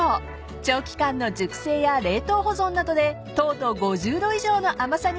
［長期間の熟成や冷凍保存などで糖度５０度以上の甘さに仕上げた逸品］